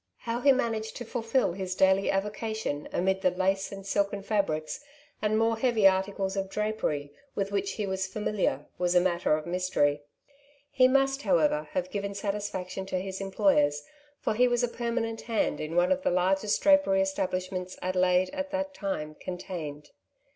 How he managed to fulfil his daily avocation amid the lace and silken fabrics, and more heavy articles of drapery, with which he was familiar, was a matter of mystery. He must, how ever, have given satisfaction to his employers, for he was a permanent hand in one of the largest drapery establishments Adelaide at that time contained.